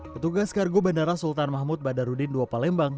ketugas kargo bandara sultan mahmud badarudin dua palembang